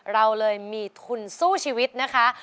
เราเลยมีทุนสู้ชีวิตนะคะ